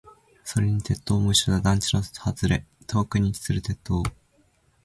それに鉄塔も一緒だ。団地の外れ、遠くに位置する鉄塔。